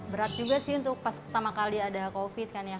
berat juga sih untuk pas pertama kali ada covid kan ya